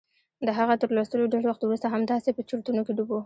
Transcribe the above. د هغه تر لوستلو ډېر وخت وروسته همداسې په چورتونو کې ډوب و.